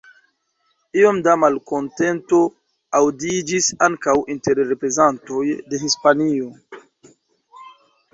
Iom da malkontento aŭdiĝis ankaŭ inter reprezentantoj de Hispanio.